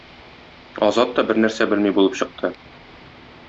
Азат та бернәрсә белми булып чыкты.